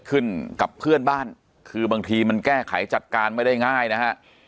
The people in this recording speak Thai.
กับเพื่อนบ้านคือบางทีมันแก้ไขจัดการไม่ได้ง่ายนะฮะ